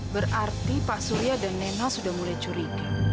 berarti pak surya dan nena sudah mulai curiga